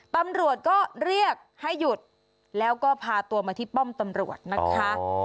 ตำรวจก็เรียกให้หยุดแล้วก็พาตัวมาที่ป้อมตำรวจนะคะ